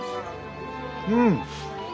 うん。